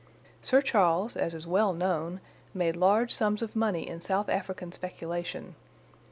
Sir Charles, as is well known, made large sums of money in South African speculation.